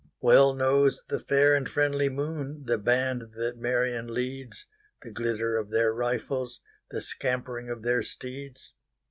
Well knows the fair and friendly moonThe band that Marion leads—The glitter of their rifles, The scampering of their steeds.